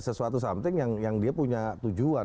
sesuatu something yang dia punya tujuan